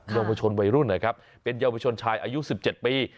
เยาวชนวัยรุ่นนะครับเป็นเยาวชนชายอายุ๑๗ปี